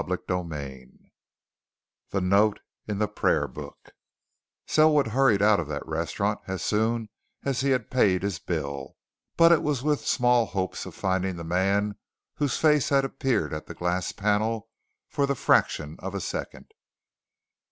CHAPTER XXIX THE NOTE IN THE PRAYER BOOK Selwood hurried out of that restaurant as soon as he had paid his bill, but it was with small hopes of finding the man whose face had appeared at the glass panel for the fraction of a second.